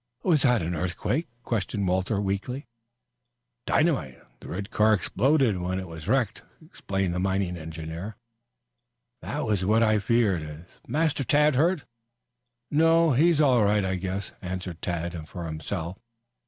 "Was that an earthquake?" questioned Walter weakly. "Dynamite. The red car exploded when it was wrecked," explained the mining engineer. "That was what I feared. Is Master Tad hurt?" "No, he's all right, I guess," answered Tad for himself.